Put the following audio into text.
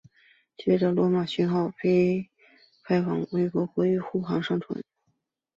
接着罗宾逊号被派往法国海域护航商船。